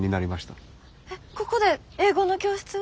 えっここで英語の教室を？